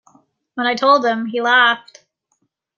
When I told him, he laughed.